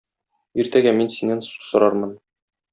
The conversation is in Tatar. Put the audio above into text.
Иртәгә мин синнән су сорармын